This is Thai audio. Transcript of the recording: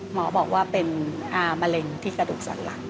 หมอบอกว่าเป็นเมล็งที่กระดูกสรรหลังค่ะ